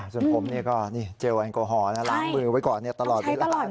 ส่วนผมนี่เจลแอนโกฮ่อนะล้างมือไว้ก่อนตลอด